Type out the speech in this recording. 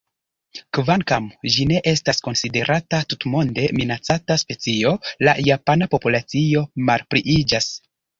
Kvankam ĝi ne estas konsiderata tutmonde minacata specio, la japana populacio malpliiĝas.